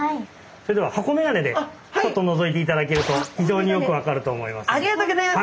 それでは箱メガネでちょっとのぞいていただけると非常によく分かると思います。